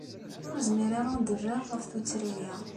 Ur zmireɣ ad d-rreɣ ɣef tuttra-a.